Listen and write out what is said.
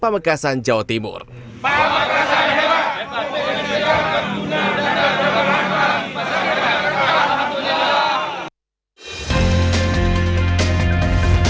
pamekasan jawa timur pembangunan jawa timur pembangunan jawa timur pembangunan jawa timur pembangunan jawa timur